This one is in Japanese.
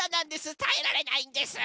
たえられないんです！